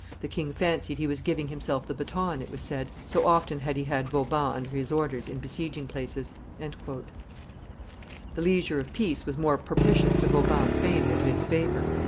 "The king fancied he was giving himself the baton," it was said, "so often had he had Vauban under his orders in besieging places." [Illustration: Vauban 534] The leisure of peace was more propitious to Vauban's fame than to his favor.